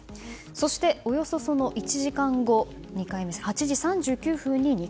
そして、およそその１時間後２回目は８時３９分。